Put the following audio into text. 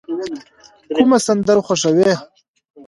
کومه سندره خوښوئ؟